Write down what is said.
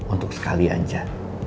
untuk sekali aja